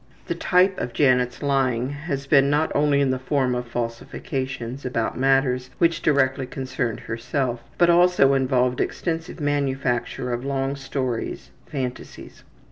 The type of Janet's lying has been not only in the form of falsifications about matters which directly concerned herself, but also involved extensive manufacture of long stories, phantasies.